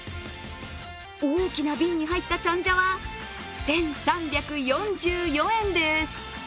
大きな瓶に入ったチャンジャは１３４４円です。